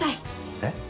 えっ？